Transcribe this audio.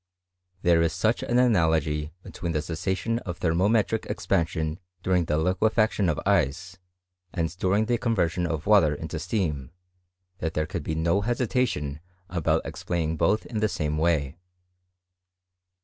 There is such an analogy between the cessation of thermometric expansion during the liquefaction of ice, and during the conyersion of water into steam, that their could be no hesitation about explaining both in the same way.